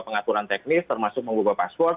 pengaturan teknis termasuk membuka password